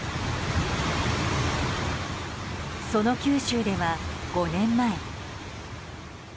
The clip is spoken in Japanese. その九州では５年前。